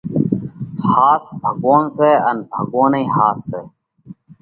ۿاس ڀڳوونَ سئہ ان ڀڳوونَ ۿاس سئہ۔